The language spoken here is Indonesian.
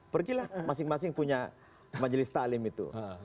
pergilah masing masing punya majelis ta'lim itu